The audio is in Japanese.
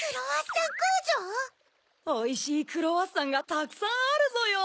おいしいクロワッサンがたくさんあるぞよ！